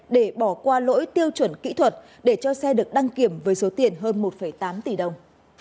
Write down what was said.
để bỏ qua lỗi tiêu chuẩn kỹ thuật để cho xe được đăng kiểm với số tiền hơn một tám tỷ đồng